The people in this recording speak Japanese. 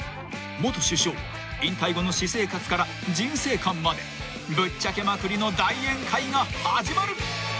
［元首相引退後の私生活から人生観までぶっちゃけまくりの大宴会が始まる］